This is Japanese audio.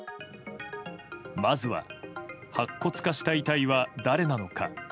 まずは、白骨化した遺体は誰なのか。